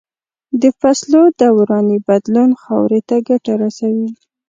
د فصلو دوراني بدلون خاورې ته ګټه رسوي.